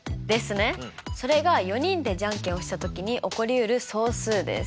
それが４人でじゃんけんをしたときに起こりうる総数です。